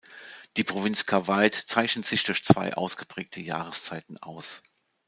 Die Provinz Cavite zeichnet sich durch zwei ausgeprägte Jahreszeiten aus.